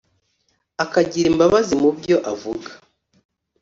akagira imbabazi mu byo avuga